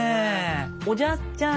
おじゃすちゃん